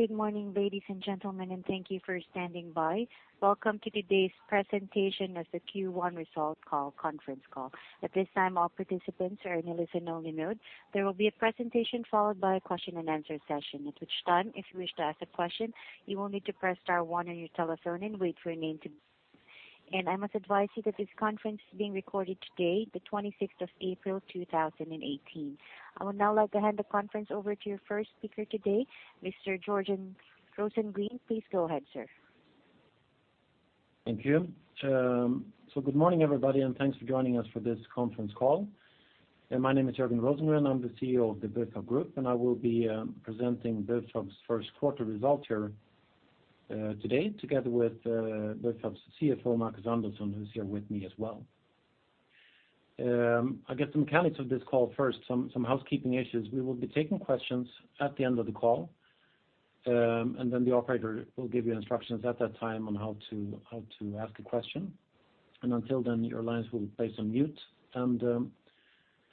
Good morning, ladies and gentlemen, and thank you for standing by. Welcome to today's presentation of the Q1 result call, conference call. At this time, all participants are in a listen-only mode. There will be a presentation followed by a question-and-answer session, at which time, if you wish to ask a question, you will need to press star one on your telephone and wait for your name to. I must advise you that this conference is being recorded today, the twenty-sixth of April, two thousand and eighteen. I would now like to hand the conference over to your first speaker today, Mr. Jörgen Rosengren. Please go ahead, sir. Thank you. So good morning, everybody, and thanks for joining us for this conference call. My name is Jörgen Rosengren. I'm the CEO of Bufab, and I will be presenting Bufab's first quarter result here today, together with Bufab's CFO, Marcus Andersson, who's here with me as well. I'll get some mechanics of this call first, some housekeeping issues. We will be taking questions at the end of the call, and then the operator will give you instructions at that time on how to ask a question. Until then, your lines will be placed on mute.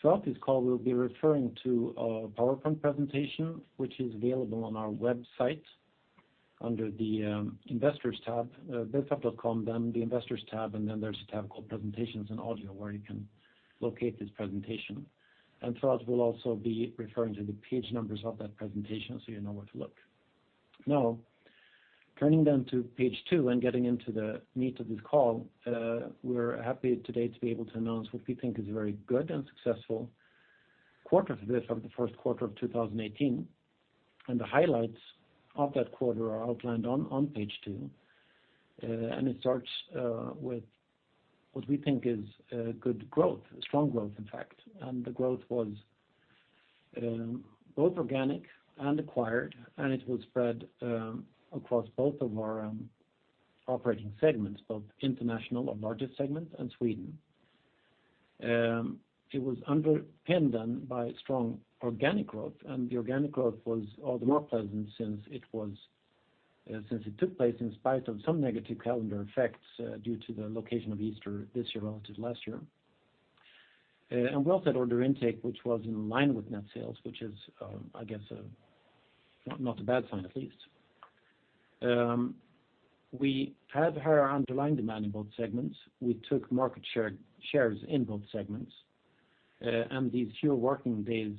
Throughout this call, we'll be referring to a PowerPoint presentation, which is available on our website under the Investors tab, bufab.com, then the Investors tab, and then there's a tab called Presentations and Audio, where you can locate this presentation. Throughout, we'll also be referring to the page numbers of that presentation, so you know where to look. Now, turning then to page two and getting into the meat of this call, we're happy today to be able to announce what we think is a very good and successful quarter for Bufab, the first quarter of 2018. The highlights of that quarter are outlined on page two. It starts with what we think is good growth, strong growth, in fact. The growth was both organic and acquired, and it was spread across both of our operating segments, both international, our largest segment, and Sweden. It was underpinned then by strong organic growth, and the organic growth was all the more pleasant since it took place in spite of some negative calendar effects due to the location of Easter this year relative to last year. We also had order intake, which was in line with net sales, which is, I guess, not a bad sign, at least. We had higher underlying demand in both segments. We took market share, shares in both segments. And these fewer working days,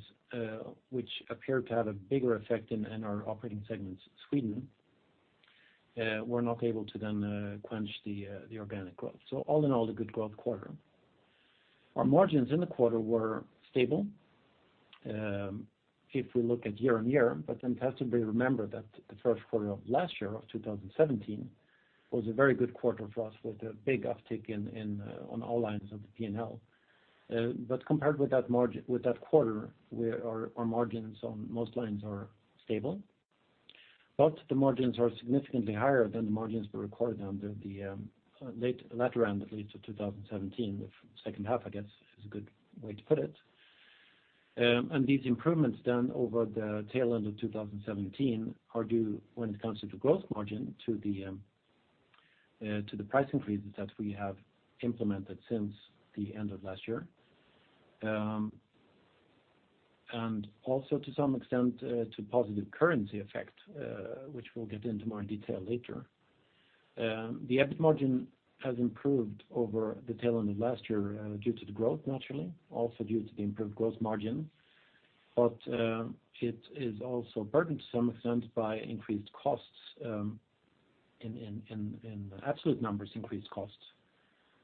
which appeared to have a bigger effect in our operating segments in Sweden, were not able to then quench the, the organic growth. So all in all, a good growth quarter. Our margins in the quarter were stable, if we look at year-on-year, but then it has to be remembered that the first quarter of last year, of 2017, was a very good quarter for us, with a big uptick in, in, on all lines of the PNL. But compared with that with that quarter, where our margins on most lines are stable, but the margins are significantly higher than the margins we recorded under the, late, latter end, at least, of 2017. The second half, I guess, is a good way to put it. These improvements done over the tail end of 2017 are due, when it comes to the gross margin, to the price increases that we have implemented since the end of last year. And also to some extent, to positive currency effect, which we'll get into more in detail later. The EBIT margin has improved over the tail end of last year, due to the growth, naturally, also due to the improved gross margin. But it is also burdened to some extent by increased costs, in absolute numbers, increased costs.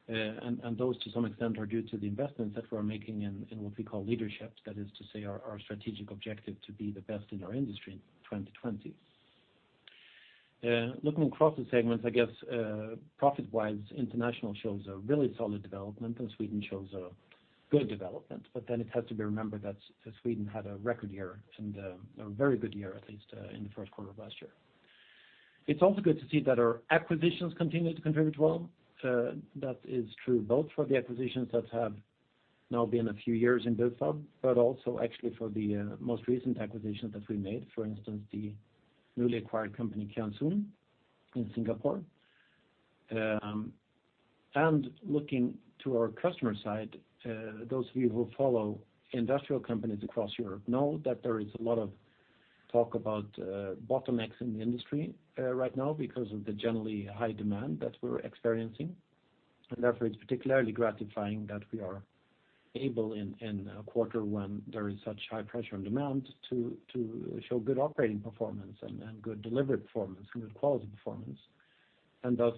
And those, to some extent, are due to the investments that we're making in what we call leadership. That is to say, our strategic objective to be the best in our industry in 2020. Looking across the segments, I guess, profit-wise, international shows a really solid development, and Sweden shows a good development. But then it has to be remembered that Sweden had a record year and, a very good year, at least, in the first quarter of last year. It's also good to see that our acquisitions continue to contribute well. That is true both for the acquisitions that have now been a few years in Bufab, but also actually for the, most recent acquisitions that we made, for instance, the newly acquired company, Kian Soon, in Singapore. And looking to our customer side, those of you who follow industrial companies across Europe know that there is a lot of talk about, bottlenecks in the industry, right now because of the generally high demand that we're experiencing. And therefore, it's particularly gratifying that we are able, in a quarter when there is such high pressure on demand, to show good operating performance and good delivery performance and good quality performance. And thus,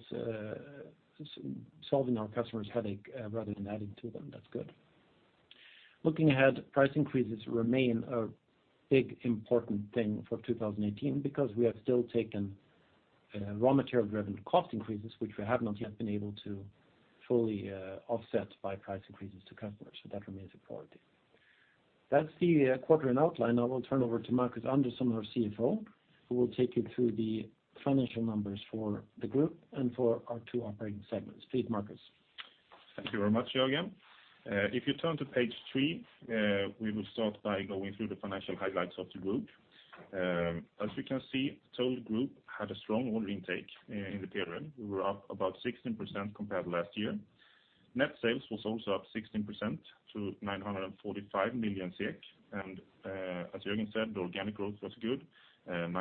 solving our customers' headache rather than adding to them. That's good. Looking ahead, price increases remain a big, important thing for 2018 because we have still taken raw material-driven cost increases, which we have not yet been able to fully offset by price increases to customers, so that remains a priority. That's the quadrant outline. I will turn over to Marcus Andersson, our CFO, who will take you through the financial numbers for the group and for our two operating segments. Please, Marcus. Thank you very much, Jörgen. If you turn to page three, we will start by going through the financial highlights of the group. As you can see, total group had a strong order intake in the period. We were up about 16% compared to last year. Net sales was also up 16% to 945 million, and as Jörgen said, the organic growth was good, 9%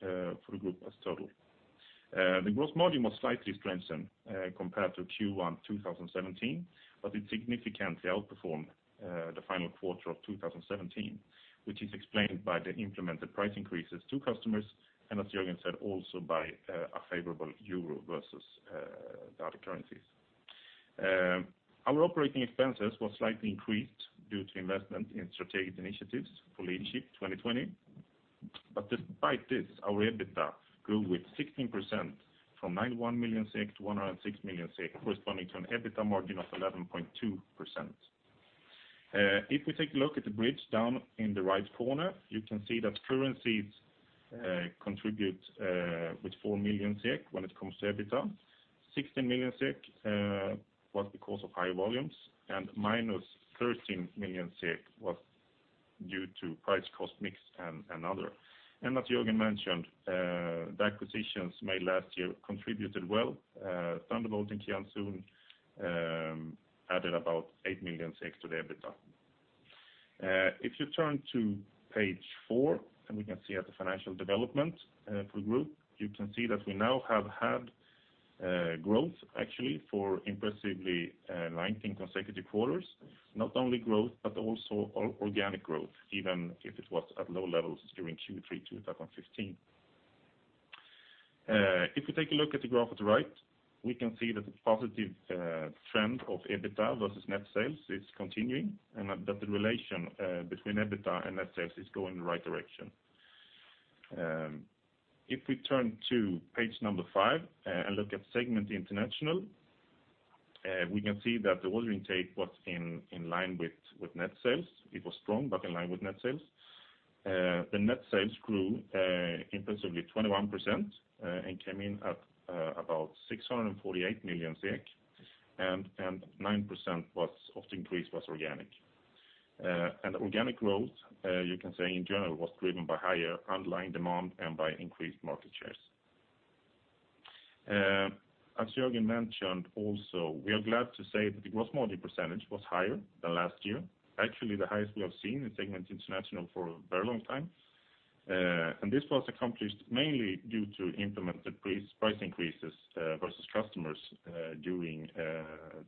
for the group as total. The gross margin was slightly strengthened compared to Q1 2017, but it significantly outperformed the final quarter of 2017, which is explained by the implemented price increases to customers, and as Jörgen said, also by a favorable euro versus the other currencies. Our operating expenses was slightly increased due to investment in strategic initiatives for Leadership 2020. But despite this, our EBITDA grew with 16% from 91-106 million, corresponding to an EBITDA margin of 11.2%. If we take a look at the bridge down in the right corner, you can see that currencies contribute with 4 million SEK when it comes to EBITDA. 16 million SEK was because of high volumes, and -13 million SEK was due to price-cost mix and other. And as Jörgen mentioned, the acquisitions made last year contributed well. Thunderbolt and Kian Soon added about 8 million to the EBITDA. If you turn to page four, and we can see at the financial development for group, you can see that we now have had growth, actually, for impressively 19 consecutive quarters. Not only growth, but also organic growth, even if it was at low levels during Q3 2015. If you take a look at the graph at the right, we can see that the positive trend of EBITDA versus net sales is continuing, and that the relation between EBITDA and net sales is going in the right direction. If we turn to page number five and look at segment international, we can see that the order intake was in line with net sales. It was strong, but in line with net sales. The net sales grew impressively 21%, and came in at about 648 million, and 9% of the increase was organic. And the organic growth you can say in general was driven by higher underlying demand and by increased market shares. As Jörgen mentioned also, we are glad to say that the gross margin percentage was higher than last year, actually the highest we have seen in the International segment for a very long time. And this was accomplished mainly due to implemented price increases versus customers during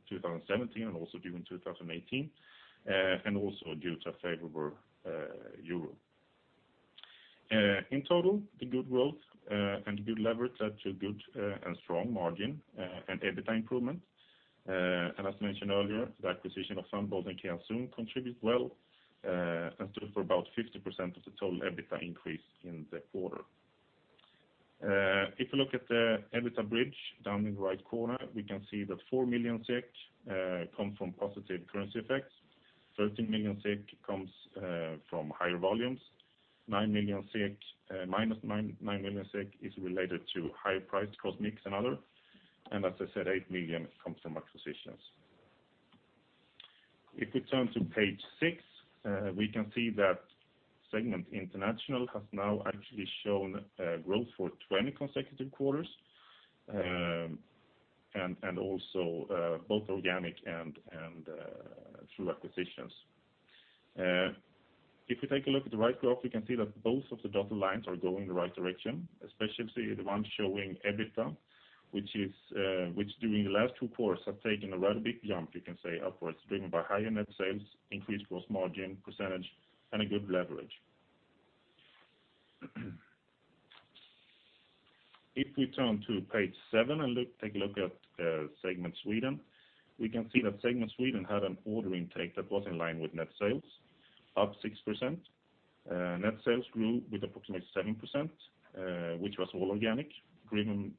2017 and also during 2018, and also due to favorable euro. In total, the good growth and good leverage led to good and strong margin and EBITDA improvement. And as mentioned earlier, the acquisition of Thunderbolt and Kian Soon contribute well and stood for about 50% of the total EBITDA increase in the quarter. If you look at the EBITDA bridge down in the right corner, we can see that 4 million SEK come from positive currency effects. 13 million SEK comes from higher volumes. 9 million SEK is related to higher price-cost mix and other, and as I said, 8 million comes from acquisitions. If we turn to page six, we can see that segment international has now actually shown growth for 20 consecutive quarters, and both organic and through acquisitions. If you take a look at the right graph, you can see that both of the dotted lines are going in the right direction, especially the one showing EBITDA, which during the last two quarters have taken a rather big jump, you can say, upwards, driven by higher net sales, increased gross margin percentage, and a good leverage. If we turn to page seven and take a look at segment Sweden, we can see that segment Sweden had an order intake that was in line with net sales, up 6%. Net sales grew with approximately 7%, which was all organic, driven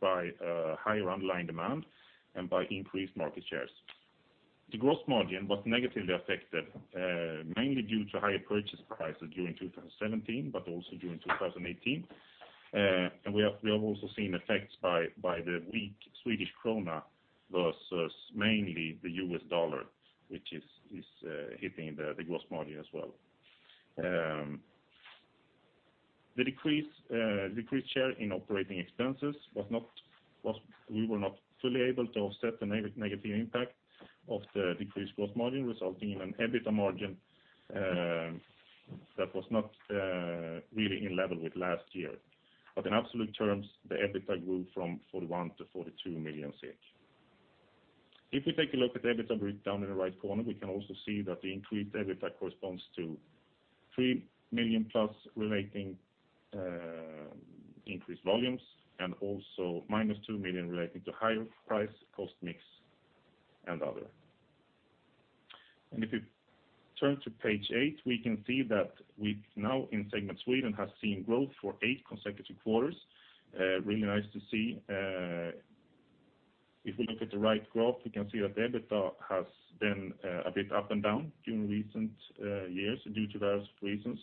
by higher underlying demand and by increased market shares. The gross margin was negatively affected mainly due to higher purchase prices during 2017, but also during 2018. And we have also seen effects by the weak Swedish krona versus mainly the US dollar, which is hitting the gross margin as well. The decrease share in operating expenses was not. We were not fully able to offset the negative impact of the decreased gross margin, resulting in an EBITDA margin that was not really in level with last year. But in absolute terms, the EBITDA grew from 41-42 million. If we take a look at the EBITDA breakdown in the right corner, we can also see that the increased EBITDA corresponds to +3 million relating to increased volumes, and also -2 million relating to higher price-cost mix, and other. And if you turn to page eight, we can see that we've now, in segment Sweden, have seen growth for eight consecutive quarters. Really nice to see. If we look at the right graph, we can see that the EBITDA has been a bit up and down during recent years due to various reasons,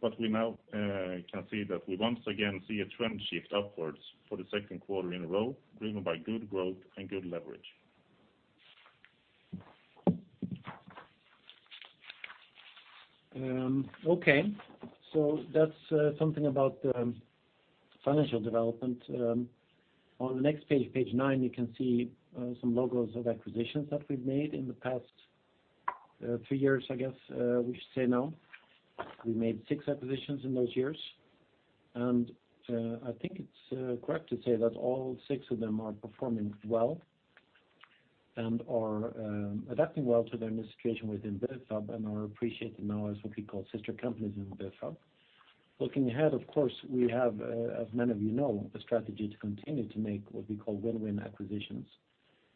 but we now can see that we once again see a trend shift upwards for the second quarter in a row, driven by good growth and good leverage. Okay, so that's something about the financial development. On the next page, page nine, you can see some logos of acquisitions that we've made in the past three years, I guess we should say now. We made six acquisitions in those years, and I think it's correct to say that all six of them are performing well and are adapting well to the administration within Bufab and are appreciated now as what we call sister companies in Bufab. Looking ahead, of course, we have, as many of you know, a strategy to continue to make what we call win-win acquisitions.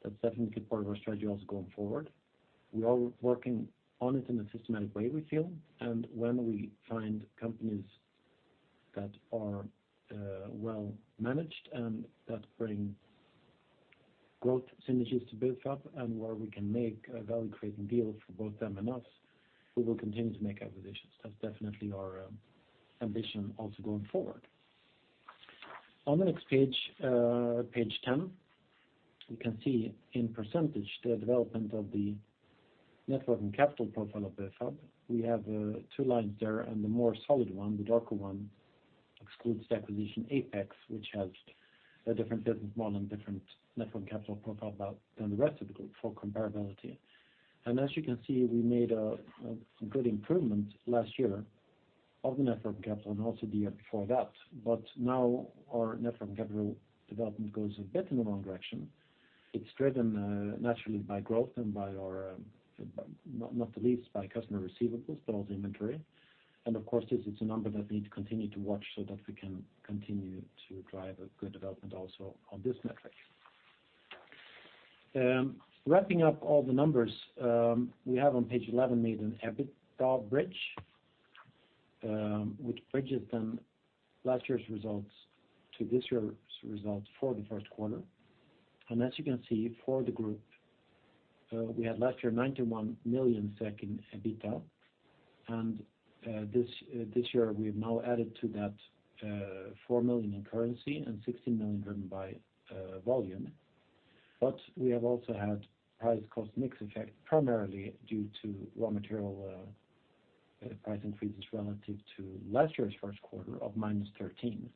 That's definitely a good part of our strategy also going forward. We are working on it in a systematic way, we feel, and when we find companies that are well managed and that bring growth synergies to Bufab and where we can make a value-creating deal for both them and us, we will continue to make acquisitions. That's definitely our ambition also going forward. On the next page, page 10, you can see in percentage the development of the net working capital profile of Bufab. We have two lines there, and the more solid one, the darker one, excludes the acquisition Apex, which has a different business model and different net working capital profile about than the rest of the group for comparability. As you can see, we made a good improvement last year of the net working capital and also the year before that. But now our net working capital development goes a bit in the wrong direction. It's driven, naturally by growth and by our, not, not the least, by customer receivables, but also inventory. And of course, this is a number that we need to continue to watch so that we can continue to drive a good development also on this metric. Wrapping up all the numbers, we have on page 11 made an EBITDA bridge, which bridges then last year's results to this year's results for the first quarter. And as you can see, for the group, we had last year 91 million SEK in EBITDA, and, this year we've now added to that, 4 million in currency and 16 million driven by, volume. But we have also had price-cost mix effect, primarily due to raw material price increases relative to last year's first quarter of -13.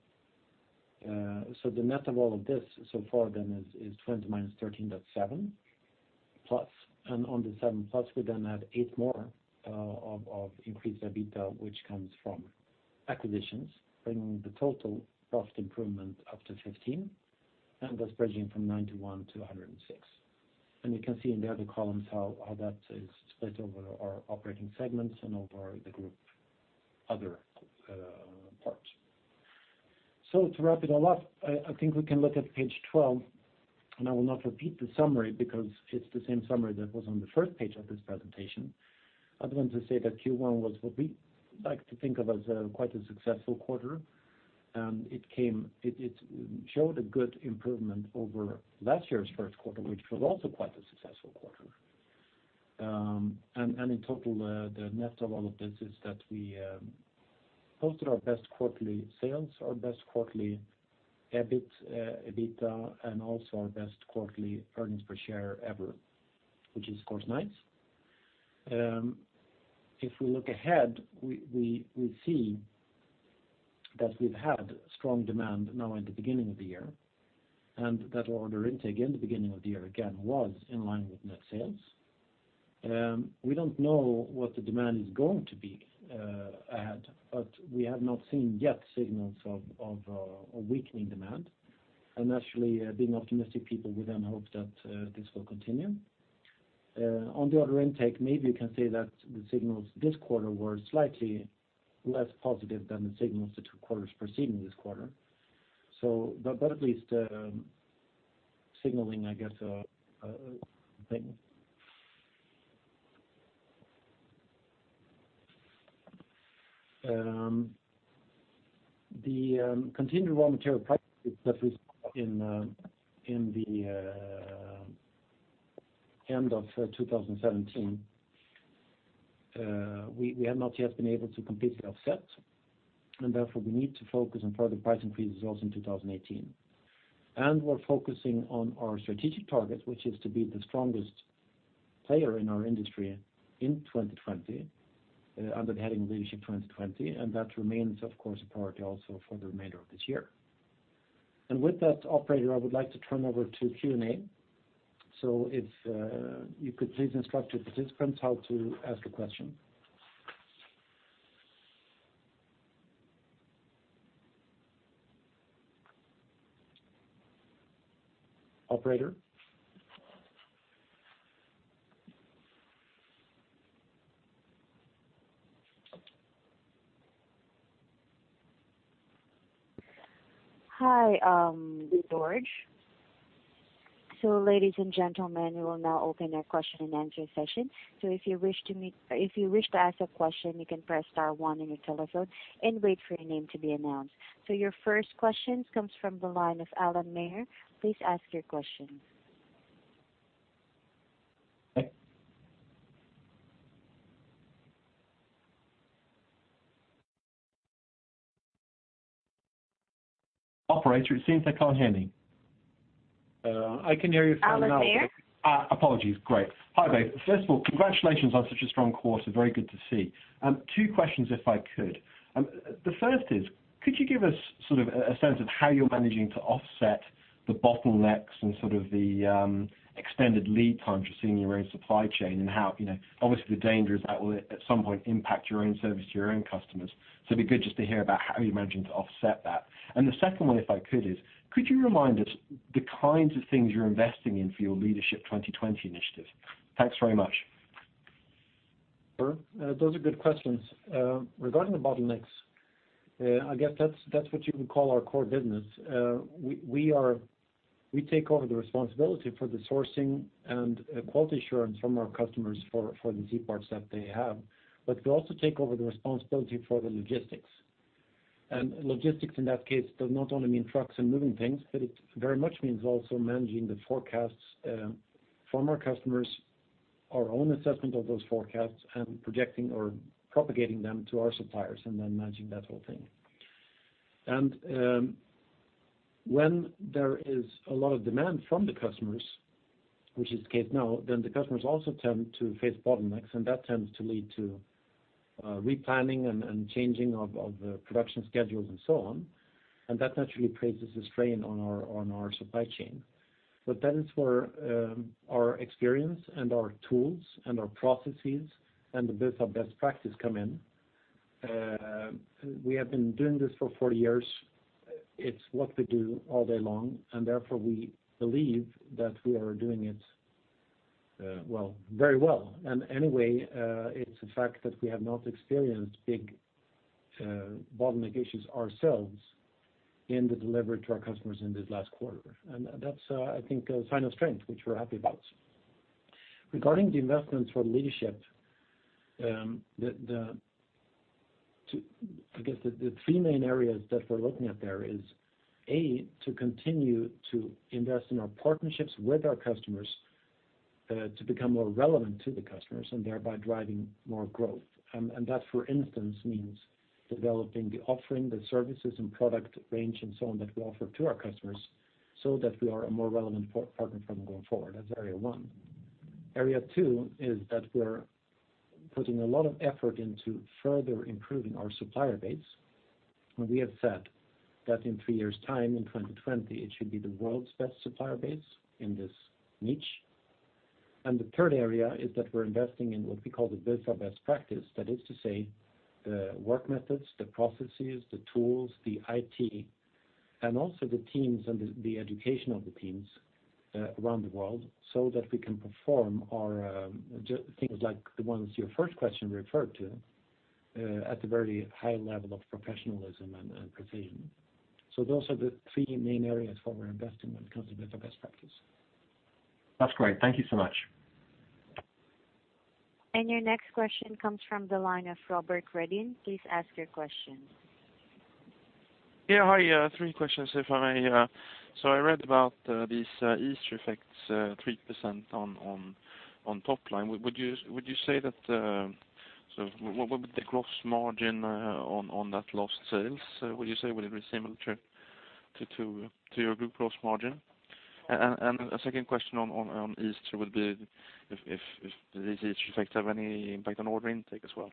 So the net of all of this so far then is, is 20 minus 13, that's +7 and on the +7, we then add eight more of increased EBITDA, which comes from acquisitions, bringing the total profit improvement up to 15, and that's bridging from 91 to 106. And you can see in the other columns how that is split over our operating segments and over the group other parts. So to wrap it all up, I think we can look at page 12, and I will not repeat the summary because it's the same summary that was on the first page of this presentation. I just want to say that Q1 was what we like to think of as quite a successful quarter, and it came, it showed a good improvement over last year's first quarter, which was also quite a successful quarter. And in total, the net of all of this is that we posted our best quarterly sales, our best quarterly EBIT, EBITDA, and also our best quarterly earnings per share ever, which is of course nice. If we look ahead, we see that we've had strong demand now in the beginning of the year, and that our order intake in the beginning of the year again was in line with net sales. We don't know what the demand is going to be ahead, but we have not seen yet signals of a weakening demand. And actually, being optimistic people, we then hope that this will continue. On the order intake, maybe you can say that the signals this quarter were slightly less positive than the signals the two quarters preceding this quarter. So but, but at least, signaling, I guess, thing. The continued raw material prices that we saw in the end of 2017, we have not yet been able to completely offset, and therefore, we need to focus on further price increases also in 2018. And we're focusing on our strategic target, which is to be the strongest player in our industry in 2020, under the heading Leadership 2020, and that remains, of course, a priority also for the remainder of this year. With that, operator, I would like to turn over to Q&A. If you could please instruct your participants how to ask a question. Operator? Hi, George. So ladies and gentlemen, we will now open our question and answer session. So if you wish to ask a question, you can press star one on your telephone and wait for your name to be announced. So your first question comes from the line of Alan Mayer. Please ask your question. Operator, it seems they can't hear me. I can hear you fine now. I'll repeat it. Ah, apologies. Great. Hi there. First of all, congratulations on such a strong quarter. Very good to see. Two questions, if I could. The first is, could you give us sort of a sense of how you're managing to offset the bottlenecks and sort of the extended lead times you're seeing in your own supply chain? And how, you know, obviously, the danger is that will at some point impact your own service to your own customers. So it'd be good just to hear about how you're managing to offset that. And the second one, if I could, is could you remind us the kinds of things you're investing in for your Leadership 2020 initiative? Thanks very much. Sure. Those are good questions. Regarding the bottlenecks, I guess that's what you would call our core business. We take over the responsibility for the sourcing and quality assurance from our customers for the key parts that they have, but we also take over the responsibility for the logistics. And logistics, in that case, does not only mean trucks and moving things, but it very much means also managing the forecasts from our customers, our own assessment of those forecasts, and projecting or propagating them to our suppliers, and then managing that whole thing. And when there is a lot of demand from the customers, which is the case now, then the customers also tend to face bottlenecks, and that tends to lead to replanning and changing of the production schedules and so on, and that naturally places a strain on our supply chain. But that is where our experience and our tools and our processes and the best of best practice come in. We have been doing this for 40 years. It's what we do all day long, and therefore, we believe that we are doing it well, very well. And anyway, it's a fact that we have not experienced big bottleneck issues ourselves in the delivery to our customers in this last quarter, and that's, I think, a sign of strength, which we're happy about. Regarding the investments for leadership, the three main areas that we're looking at there is, A, to continue to invest in our partnerships with our customers, to become more relevant to the customers, and thereby driving more growth. And that, for instance, means developing the offering, the services and product range, and so on, that we offer to our customers, so that we are a more relevant partner for them going forward. That's area one. Area two is that we're putting a lot of effort into further improving our supplier base, and we have said that in three years' time, in 2020, it should be the world's best supplier base in this niche. And the third area is that we're investing in what we call the build our best practice, that is to say, the work methods, the processes, the tools, the IT, and also the teams and the education of the teams around the world, so that we can perform our things like the ones your first question referred to at a very high level of professionalism and precision. So those are the three main areas where we're investing when it comes to build our best practice. That's great. Thank you so much. Your next question comes from the line of Robert Redin. Please ask your question. Yeah, hi. Three questions, if I may. So I read about these Easter effects, 3% on top line. Would you say that. So what would the gross margin on that lost sales, would you say, would it be similar to your group gross margin? And a second question on Easter would be if these Easter effects have any impact on order intake as well?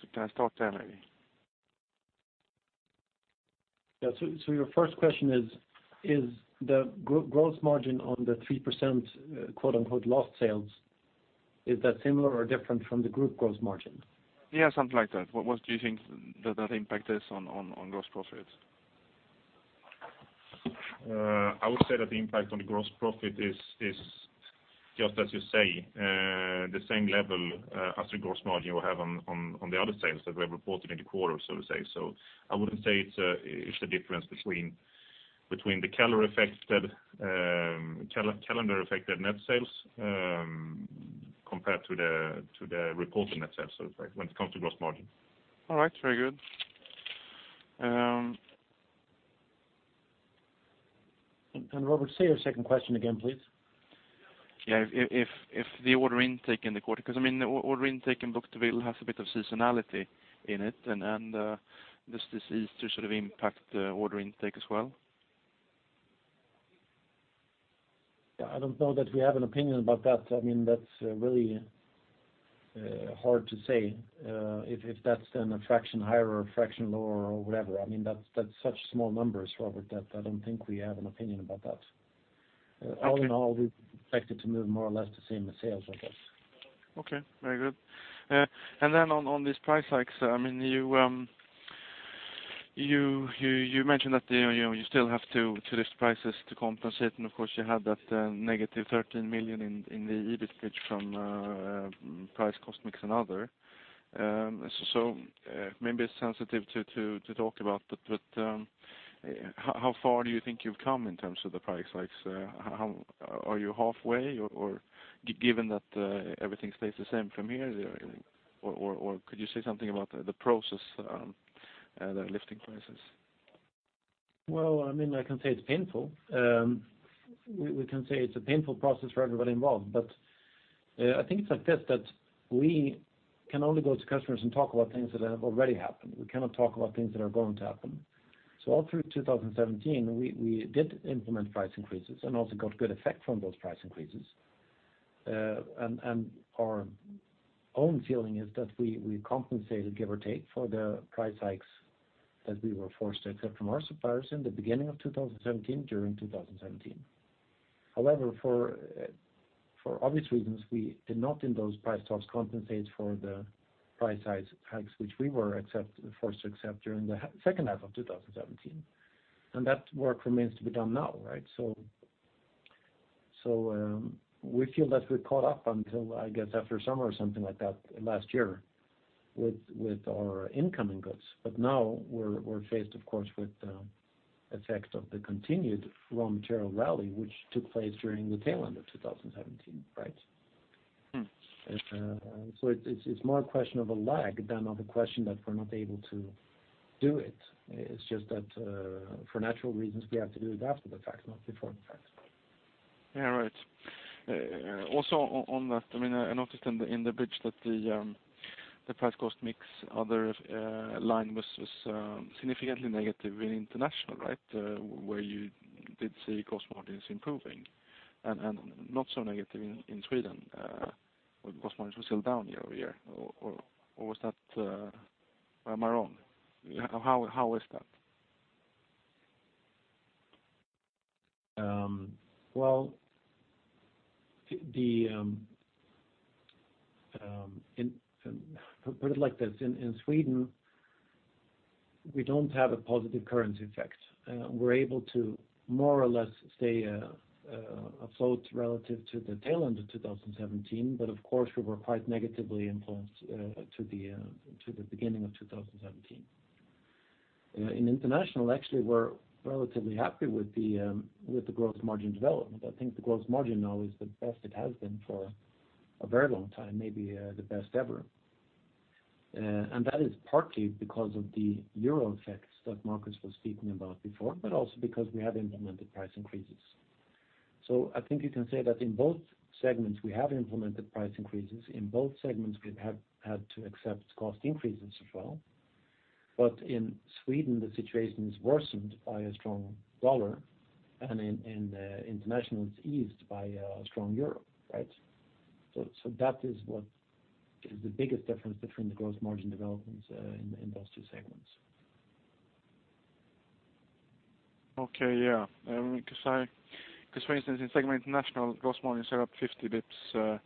So can I start there, maybe. Yeah. So, your first question is, is the gross margin on the 3%, quote, unquote, lost sales, similar or different from the group gross margin? Yeah, something like that. What do you think that impact is on gross profits? I would say that the impact on the gross profit is just as you say, the same level as the gross margin we have on the other sales that we have reported in the quarter, so to say. So I wouldn't say it's a difference between the calendar-affected net sales compared to the reported net sales, so to say, when it comes to gross margin. All right, very good. Robert, say your second question again, please. Yeah. If the order intake in the quarter. Beause, I mean, the order intake and book-to-bill has a bit of seasonality in it, and does this Easter sort of impact the order intake as well? Yeah, I don't know that we have an opinion about that. I mean, that's really hard to say if that's then a fraction higher or a fraction lower or whatever. I mean, that's such small numbers, Robert, that I don't think we have an opinion about that. Okay. All in all, we expect it to move more or less the same as sales, I guess. Okay, very good. And then on these price hikes, I mean, you mentioned that, you know, you still have to lift prices to compensate, and of course, you had that -13 million in the EBIT bridge from price-cost mix, and other. So, maybe it's sensitive to talk about, but how far do you think you've come in terms of the price hikes? How are you halfway, or given that everything stays the same from here, or could you say something about the process, the lifting prices? Well, I mean, I can say it's painful. We can say it's a painful process for everybody involved, but I think it's like this, that we can only go to customers and talk about things that have already happened. We cannot talk about things that are going to happen. So all through 2017, we did implement price increases and also got good effect from those price increases. And our own feeling is that we compensated, give or take, for the price hikes that we were forced to accept from our suppliers in the beginning of 2017, during 2017. However, for obvious reasons, we did not, in those price talks, compensate for the price hikes which we were forced to accept during the second half of 2017. That work remains to be done now, right? So, we feel that we're caught up until, I guess, after summer or something like that last year, with our incoming goods. But now we're faced, of course, with effects of the continued raw material rally, which took place during the tail end of 2017, right? Yes. So it's more a question of a lag than of a question that we're not able to do it. It's just that, for natural reasons, we have to do it after the fact, not before the fact. Yeah, right. Also on that, I mean, I noticed in the bridge that the price-cost mix other line was significantly negative in international, right? Where you did see gross margins improving and not so negative in Sweden, where gross margins were still down year-over-year or was that... Am I wrong? How is that? Well, put it like this, in Sweden, we don't have a positive currency effect. We're able to more or less stay afloat relative to the tail end of 2017. But of course, we were quite negatively influenced to the beginning of 2017. In international, actually, we're relatively happy with the gross margin development. I think the gross margin now is the best it has been for a very long time, maybe the best ever. And that is partly because of the euro effects that Marcus was speaking about before, but also because we have implemented price increases. So I think you can say that in both segments, we have implemented price increases. In both segments, we have had to accept cost increases as well. But in Sweden, the situation is worsened by a strong US dollar, and in international, it's eased by a strong euro, right? So that is what is the biggest difference between the gross margin developments in those two segments. Okay, yeah. Because, for instance, in the international segment, gross margin is up 50 basis points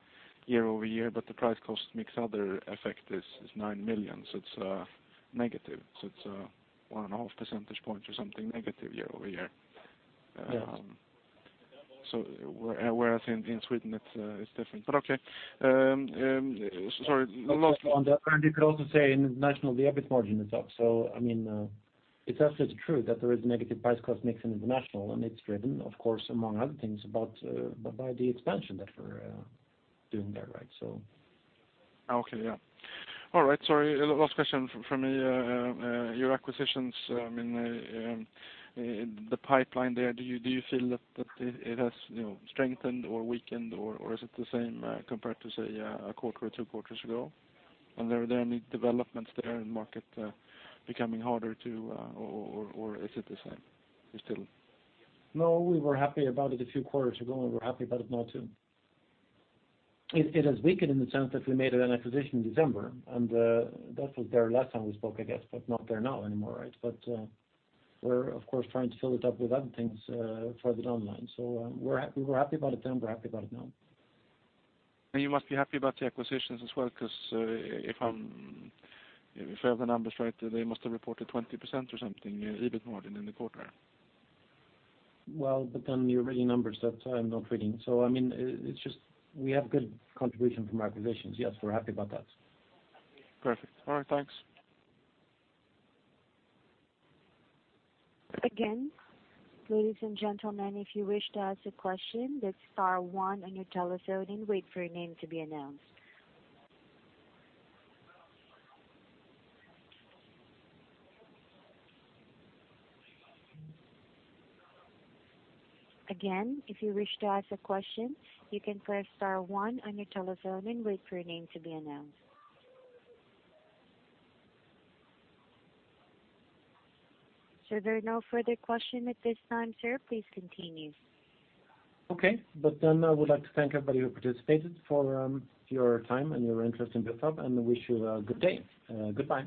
year-over-year, but the price-cost mix other effect is 9 million, so it's 1.5 percentage points or something negative year-over-year. Yes. So whereas in Sweden, it's different, but okay. Sorry, the last, On the, you could also say in international, the EBIT margin is up. So, I mean, it's also true that there is a negative price-cost mix in international, and it's driven, of course, among other things, about, by the expansion that we're doing there, right? So. Okay, yeah. All right, sorry, last question from me. Your acquisitions in the pipeline there, do you feel that it has, you know, strengthened or weakened, or is it the same compared to, say, a quarter or two quarters ago? Are there any developments there in market becoming harder to, or is it the same, still? No, we were happy about it a few quarters ago, and we're happy about it now, too. It has weakened in the sense that we made an acquisition in December, and that was there last time we spoke, I guess, but not there now anymore, right? But, we're of course trying to fill it up with other things further down the line. So, we're happy, we were happy about it then, we're happy about it now. You must be happy about the acquisitions as well, because, if I'm, if I have the numbers right, they must have reported 20% or something, EBIT margin in the quarter. Well, but then you're reading numbers that I'm not reading. So I mean, it's just we have good contribution from our acquisitions. Yes, we're happy about that. Perfect. All right, thanks. Again, ladies and gentlemen, if you wish to ask a question, press star one on your telephone and wait for your name to be announced. Again, if you wish to ask a question, you can press star one on your telephone and wait for your name to be announced. So there are no further questions at this time, sir, please continue. Okay. But then I would like to thank everybody who participated for your time and your interest in Bufab, and wish you a good day. Goodbye.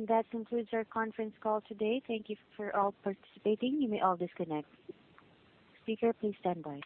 That concludes our conference call today. Thank you for all participating. You may all disconnect. Speaker, please stand by.